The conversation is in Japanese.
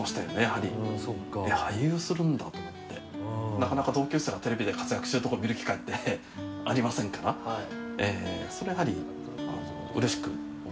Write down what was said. なかなか同級生がテレビで活躍してるところを見る機会ってありませんからそれはやはり。